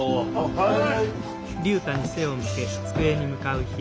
はい。